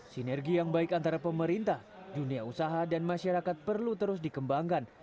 sinergi yang baik antara pemerintah dunia usaha dan masyarakat perlu terus dikembangkan